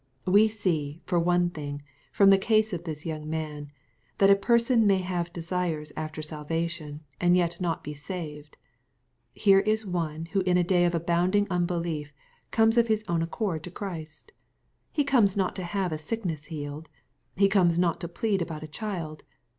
We see, for one thing, from the case of this young man, that a person may have desires after salvation, and yet not be saved. Here is one who in a day of abounding unbelief comes of his own accord to Christ. He comes not to have a sickness healed. He comes not to plead about a child.